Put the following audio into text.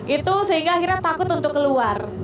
itu sehingga akhirnya takut untuk keluar